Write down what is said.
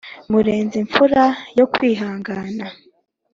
Murezi mfura yo kwihangana!